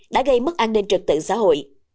đã gây mất an ninh trực tự xã hội